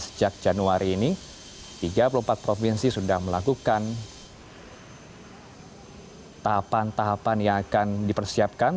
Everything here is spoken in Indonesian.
sejak januari ini tiga puluh empat provinsi sudah melakukan tahapan tahapan yang akan dipersiapkan